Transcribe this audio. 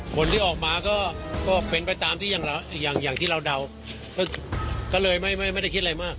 หมดที่ออกมาก็ก็เป็นไปตามที่อย่างเราอย่างอย่างที่เราเดาก็เลยไม่ไม่ไม่ได้คิดอะไรมาก